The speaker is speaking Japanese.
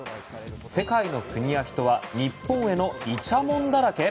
世界の国や人は日本へのイチャモンだらけ！？